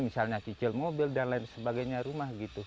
misalnya kicil mobil dan lain sebagainya rumah gitu